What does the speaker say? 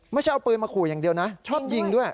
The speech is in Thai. ไม่ใช่เอาปืนมาขู่อย่างเดียวนะชอบยิงด้วย